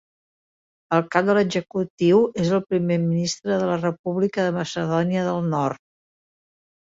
El cap de l'executiu és el Primer Ministre de la República de Macedònia del Nord.